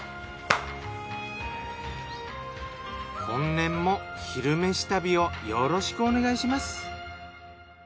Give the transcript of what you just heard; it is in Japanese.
本年も「昼めし旅」をよろしくお願いします。